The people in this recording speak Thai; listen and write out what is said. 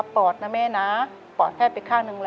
ขอเอ็กซาเรย์แล้วก็เจาะไข่ที่สันหลังค่ะ